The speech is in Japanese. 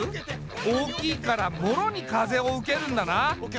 大きいからもろに風を受けるんだな。